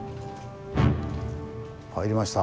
入りました。